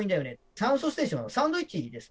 酸素ステーションはサンドイッチです。